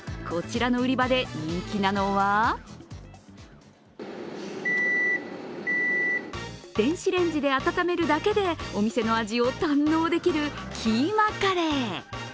こちらの売り場で人気なのは電子レンジで温めるだけでお店の味を堪能できるキーマカレー。